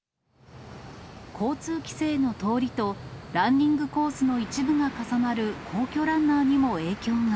交通規制の通りとランニングコースの一部が重なる皇居ランナーにも影響が。